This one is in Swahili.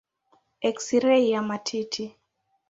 Eksirei ya matiti.